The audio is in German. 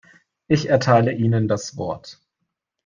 Ich erteile Ihnen das Wort.